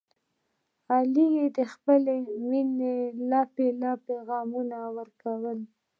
علي ته یې خپلې مینې لپې لپې غمونه ورکړل.